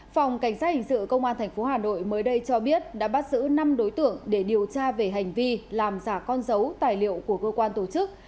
phòng cảnh sát hình sự công an tp hà nội mới đây cho biết đã bắt giữ năm đối tượng để điều tra về hành vi làm giả con dấu tài liệu của cơ quan tổ chức